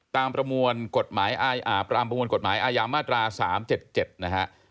ตามประอำประมวลกฎหมายอาญามาตรา๓๗๗นะฮะ